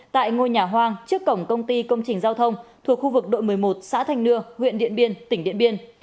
tại ngôi nhà hoang trước cổng công ty công trình giao thông thuộc khu vực đội một mươi một xã thanh nưa huyện điện biên tỉnh điện biên